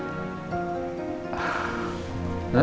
ini maksudnya apa ren